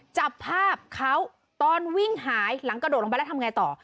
จับภาพเขาตอนวิ่งหายหลังกระโดดลงไปแล้วทำไงต่อ